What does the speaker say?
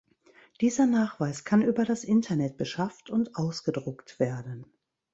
Dieser Nachweis kann über das Internet beschafft und ausgedruckt werden.